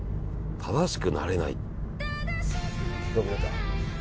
ただしくなれない。